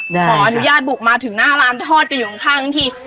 ขออนุญาตบุกมาถึงหน้าร้านทอดกันอยู่ข้างที